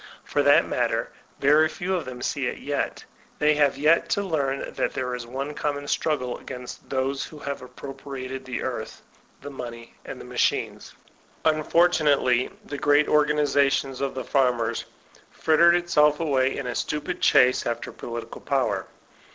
For that matter very few of them see it yet They have yet to learn that there is one common struggle against those who have appropriated the earth, the money, and the machines. Unfortunately the great organization of the farmers frittered itself away in a stupid chase after political power.